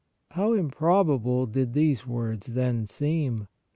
How improbable did these words then seem!